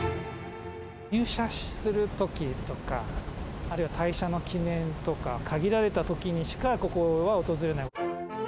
入社するときとか、あるいは退社の記念とか、限られたときにしか、ここは訪れない。